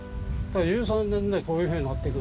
１３年でこういうふうになっていく。